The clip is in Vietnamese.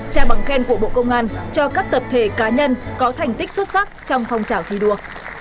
trao bằng khen của bộ công an cho các tập thể cá nhân có thành tích xuất sắc trong phong trào thi đua